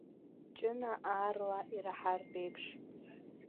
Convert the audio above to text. Ҷына аарла ираҳартә еиԥш.